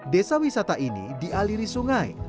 desa wisata ini dialiri sungai